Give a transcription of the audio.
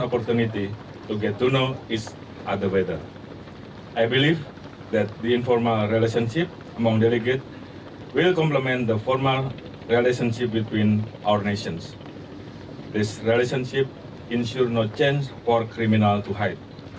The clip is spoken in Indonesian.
pertemuan ammtc ke tujuh belas diharapkan semakin melengkapi hubungan formal antar negara untuk bersembunyi